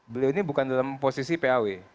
beliau ini bukan dalam posisi paw